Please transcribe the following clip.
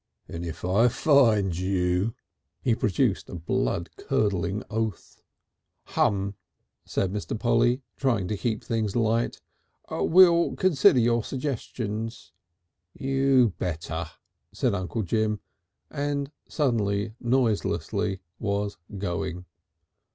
And if I finds you " He produced a blood curdling oath. "H'm," said Mr. Polly, trying to keep things light. "We'll consider your suggestions." "You better," said Uncle Jim, and suddenly, noiselessly, was going.